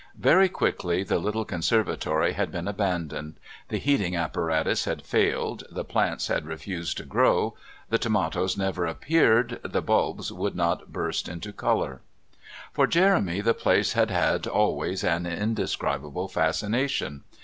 Very quickly the little conservatory had been abandoned; the heating apparatus had failed, the plants had refused to grow, the tomatoes never appeared, the bulbs would not burst into colour. For Jeremy the place had had always an indescribable fascination.